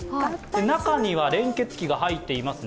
中には連結器が入っています。